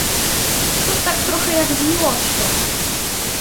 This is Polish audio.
To tak trochę jak z miłością